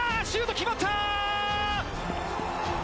シュート決まった！